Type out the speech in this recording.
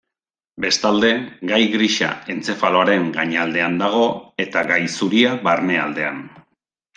Bestalde, gai grisa entzefaloaren gainaldean dago, eta gai zuria barnealdean.